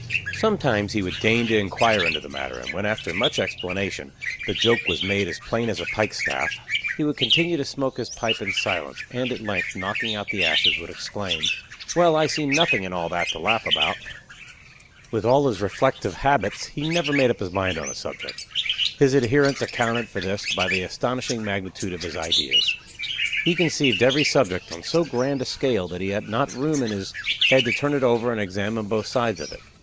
Sometimes he would deign to inquire into the matter, and when, after much explanation, the joke was made as plain as a pike staff, he would continue to smoke his pipe in silence, and at length, knocking out the ashes, would exclaim, "Well, I see nothing in all that to laugh about." With all his reflective habits, he never made up his mind on a subject. His adherents accounted for this by the astonishing magnitude of his ideas. He conceived every subject on so grand a scale that he had not room in his head to turn it over and examine both sides of it.